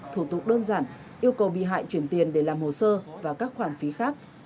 thủ tục đơn giản yêu cầu bị hại chuyển tiền để làm hồ sơ và các khoản phí khác